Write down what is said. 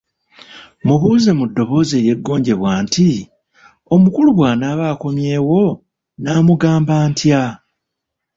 Mubuuze mu ddoboozi eryeggonjebwa nti, "Omukulu bwanaaba akomyewo nnaamugamba ntya?"